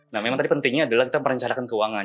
nah memang tadi pentingnya adalah kita merencanakan keuangan